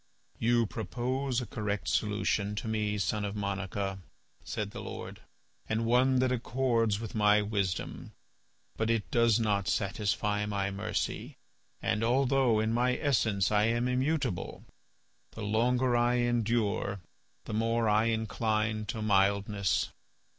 "You propose a correct solution to me, son of Monica," said the Lord, "and one that accords with my wisdom. But it does not satisfy my mercy. And, although in my essence I am immutable, the longer I endure, the more I incline to mildness.